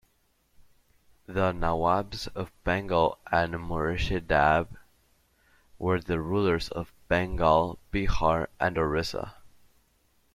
The Nawabs of Bengal and Murshidabad were the rulers of Bengal, Bihar and Orissa.